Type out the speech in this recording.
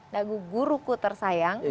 lagu guruku tersayang